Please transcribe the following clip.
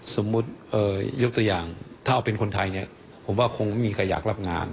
ยกตัวอย่างถ้าเอาเป็นคนไทยเนี่ยผมว่าคงไม่มีใครอยากรับงาน